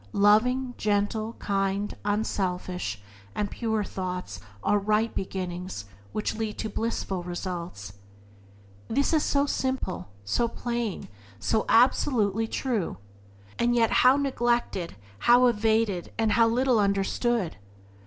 Loving, gentle, kind, unselfish and pure thoughts are right beginnings, which lead to blissful results. This is so simple, so plain, so absolutely true! and yet how neglected, how evaded, and how little understood!